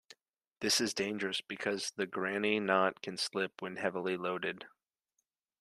This is dangerous because the granny knot can slip when heavily loaded.